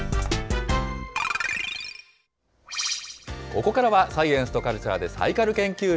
ここからはサイエンスとカルチャーでサイカル研究室。